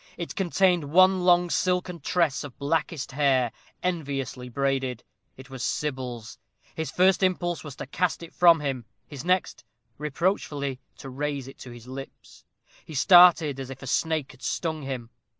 It contained one long silken tress of blackest hair enviously braided. It was Sybil's. His first impulse was to cast it from him; his next, reproachfully to raise it to his lips. He started as if a snake had stung him.